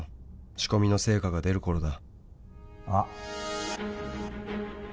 「仕込みの成果が出る頃だ」